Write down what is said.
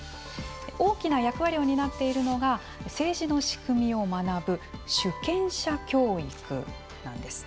大きな役割を担っているのが政治の仕組みを学ぶ主権者教育なんです。